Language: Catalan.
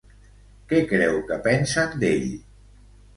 Què creu que pensen d'ell?